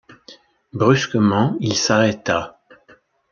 Brusquement il s’arrêta.